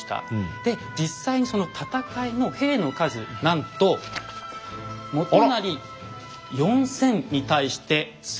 で実際にその戦いの兵の数なんと元就４，０００に対して陶軍は２０，０００と。